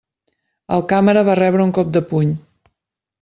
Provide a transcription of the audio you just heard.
El càmera va rebre un cop de puny.